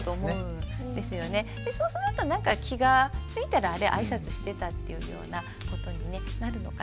そうするとなんか気がついたらあれあいさつしてたっていうようなことになるのかなって。